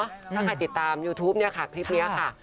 ถ้าใครติดตามยูทูปเนี่ยค่ะคลิปนี้ค่ะ